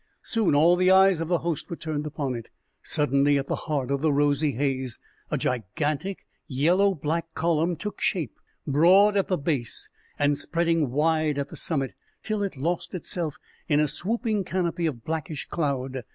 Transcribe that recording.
Soon all the eyes of the host were turned upon it. Suddenly, at the heart of the rosy haze, a gigantic yellow black column took shape, broad at the base and spreading wide at the summit, till it lost itself in a swooping canopy of blackish cloud.